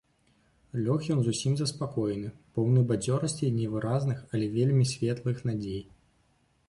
Лёг ён зусім заспакоены, поўны бадзёрасці і невыразных, але вельмі светлых надзей.